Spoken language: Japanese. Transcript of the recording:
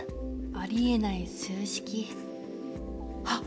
ありえない数式あっ！